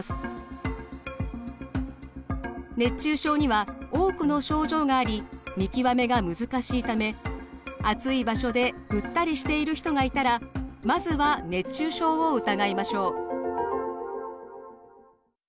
熱中症には多くの症状があり見極めが難しいため暑い場所でぐったりしている人がいたらまずは熱中症を疑いましょう。